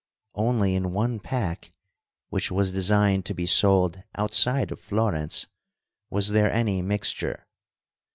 Only in one pack, which was designed to be sold outside of Florence, was there any mixture.